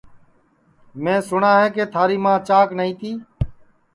میں سُٹؔا ہے کہ تھاری ماں چاک نائی تی